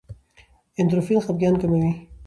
اندورفین خپګان کموي.